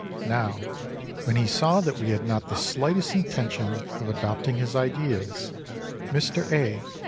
Now when he saw that we had not the slightest intention of adopting his ideals, Mr. A.